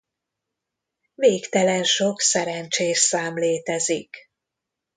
Végtelen sok szerencsés szám létezik.